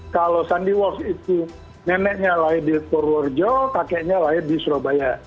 kalau sandiwah itu neneknya lahir di purworejo kakeknya lahir di surabaya